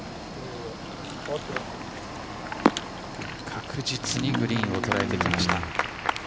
確実にグリーンを捉えてきました。